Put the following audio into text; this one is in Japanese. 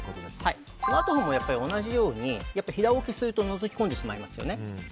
スマートフォンも同じように平置きするとのぞき込んでしまいますよね。